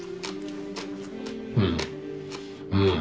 うんうん。